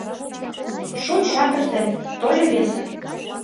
Шуч жап эртен, тольо весе.